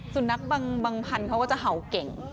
สุนัขบางพันธุ์เขาก็จะเห่าเก่ง